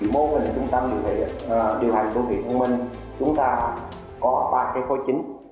mô hình trung tâm điều hành đô thị thông minh chúng ta có ba khối chính